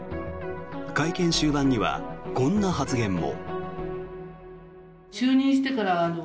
会見終盤には、こんな発言も。